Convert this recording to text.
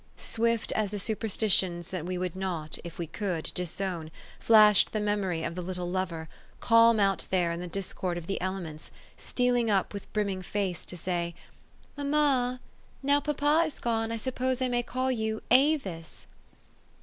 Swift as the superstitions that we would not, if we could, disown, flashed the memory of the little lover, calm out there in the discord of the elements, stealing up with brimming face to say, " Mamma, now papa is gone, I suppose I may call you Avis?